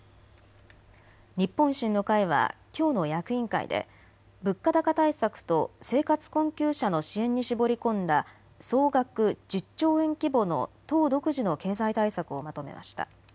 日本維新の会はきょうの役員会で物価高対策と生活困窮者の支援に絞り込んだ総額１０兆円規模の党独自の経済対策をまとめました。